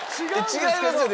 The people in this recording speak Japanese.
違いますよね？